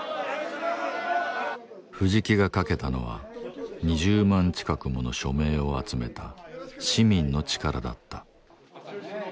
藤木が賭けたのは２０万近くもの署名を集めた市民の力だった